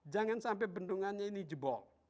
jangan sampai bendungannya ini jebol